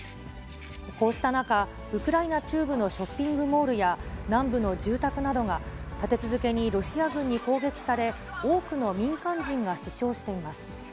こうした中、ウクライナ中部のショッピングモールや南部の住宅などが立て続けにロシア軍に砲撃され、多くの民間人が死傷しています。